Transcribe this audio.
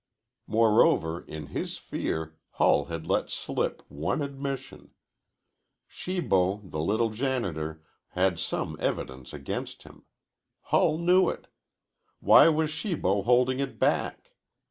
Moreover, in his fear Hull had let slip one admission. Shibo, the little janitor, had some evidence against him. Hull knew it. Why was Shibo holding it back?